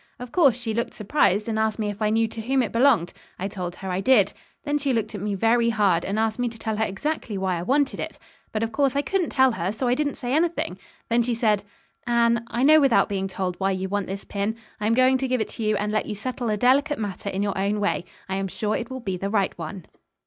Of course, she looked surprised, and asked me if I knew to whom it belonged. I told her I did. Then she looked at me very hard, and asked me to tell her exactly why I wanted it. But, of course, I couldn't tell her, so I didn't say anything. Then she said: 'Anne, I know without being told why you want this pin. I am going to give it to you, and let you settle a delicate matter in your own way. I am sure it will be the right one.'"